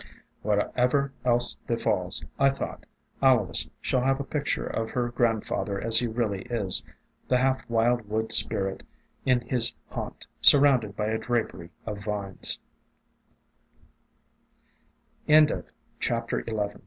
Whatever else befalls, I thought, Alois shall have a picture of her grandfather as he really is, the half wild wood spirit in his haunt surrounded by a drapery of